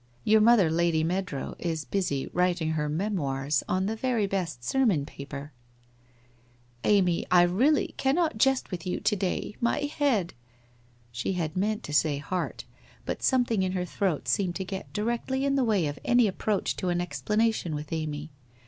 Your mother, Lady Meadrow, is busy writing her memoirs, on the very best sermon paper/ ' Amy, I really cannot jest with you to day. My head ' She had meant to say heart, but something in her throat seemed to get directly in the way of any approach to an explanation with Amy.